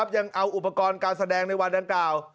ยังเอาอุปกรณ์การแสดงในวันดังกล่าว